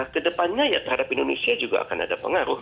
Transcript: kedepannya ya terhadap indonesia juga akan ada pengaruh